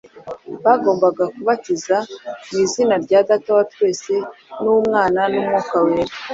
Bagombaga kubatiza mu izina rya Data wa twese n’Umwana n’Umwuka Wera.